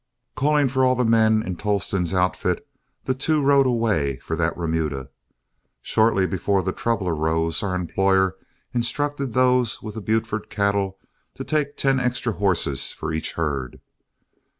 Calling for all the men in Tolleston's outfit, the two rode away for that remuda. Shortly before the trouble arose, our employer instructed those with the Buford cattle to take ten extra horses for each herd.